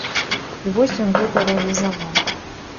І вось ён гэта рэалізаваў.